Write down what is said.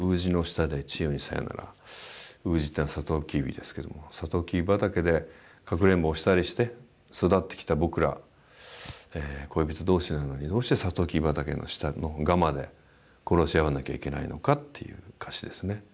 「ウージ」っていうのはサトウキビですけどもサトウキビ畑でかくれんぼをしたりして育ってきた僕ら恋人同士なのにどうしてサトウキビ畑の下のガマで殺し合わなきゃいけないのかっていう歌詞ですね。